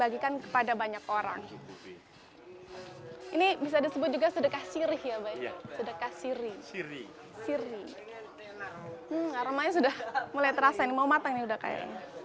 hmm aromanya sudah mulai terasa ini mau matang ini udah kaya